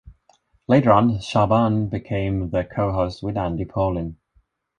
Later on, Czaban became the co-host with Andy Pollin.